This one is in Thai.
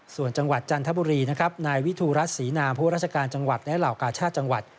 ส่วนจังหวัดจันทบุรีนะครับนายวิทูรัฐศรีนามผู้ราชการจังหวัดและเหล่ากาชาติจังหวัด